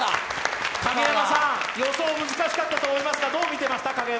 影山さん、予想難しかったと思いますが、どう見ていましたか？